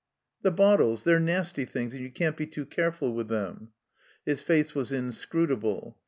. "The bottles. They're nasty things, and you can't be too careftd with them." His face was inscrutable.